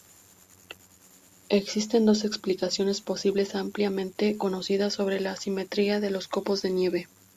Existen dos explicaciones posibles ampliamente conocidas sobre la simetría de los copos de nieve.